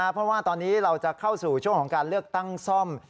เพราะว่าตอนนี้เราจะเข้าสู่ช่วงของการเลือกตั้งซ่อม